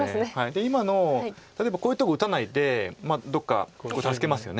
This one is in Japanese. で今の例えばこういうとこ打たないでどっか助けますよね。